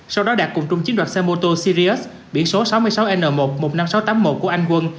sau đó đạt cùng chung chiếm đoạt xe mô tô sirius biển số sáu mươi sáu n một một mươi năm nghìn sáu trăm tám mươi một của anh quân